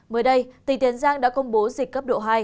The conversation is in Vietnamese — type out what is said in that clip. mới đây tỉnh tiền giang đã công bố dịch cấp độ hai